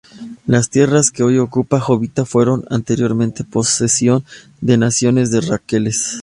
Las tierras que hoy ocupa Jovita fueron anteriormente posesión de naciones de ranqueles.